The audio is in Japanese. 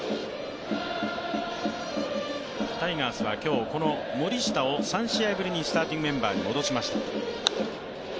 タイガースは今日この森下を３試合ぶりにスターティングメンバーに戻しました。